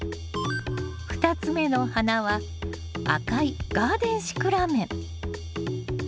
２つ目の花は赤いガーデンシクラメン。